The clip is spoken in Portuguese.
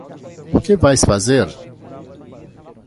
O que vais fazer?